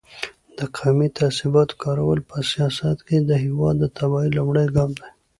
د قومي تعصباتو کارول په سیاست کې د هېواد د تباهۍ لومړی ګام دی.